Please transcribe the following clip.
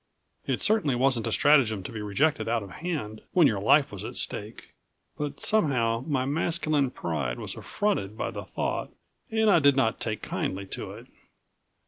It certainly wasn't a stratagem to be rejected out of hand, when your life was at stake. But somehow my masculine pride was affronted by the thought and I did not take kindly to it.